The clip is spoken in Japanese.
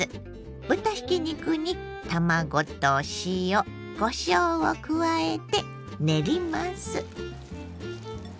豚ひき肉に卵と塩こしょうを加えて練ります。